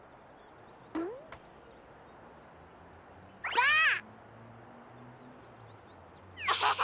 ばあっ！